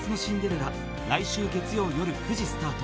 ［来週月曜夜９時スタート］